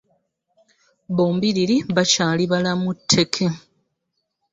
Bombiriri bakyali balamu tteke.